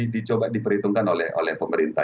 dicoba diperhitungkan oleh pemerintah